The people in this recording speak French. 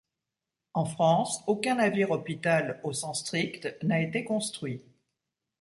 En France, aucun navire-hôpital au sens strict n'a été construit.